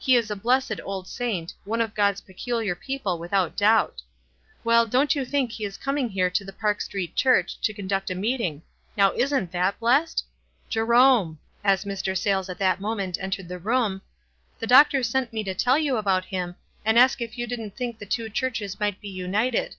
He is a blessed old saint, one of God's pecular people without doubt. Well, don't you think he is coming here to the Park Street Church to conduct a meeting. Now, isn't that blessed? Jerome," as Mr. Sayles at that moment entered the room, "the doctor sent me to tell you about him, and ask if you didn't think the two churches might be united.